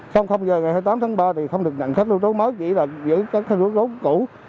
trong giờ ngày hai mươi tám tháng ba thì không được nhận khách lưu trú mới chỉ là giữa các cơ sở lưu trú cũ